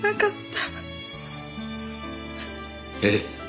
ええ。